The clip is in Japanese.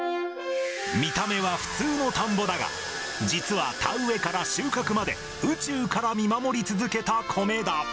見た目は普通の田んぼだが、実は田植えから収穫まで、宇宙から見守り続けた米だ。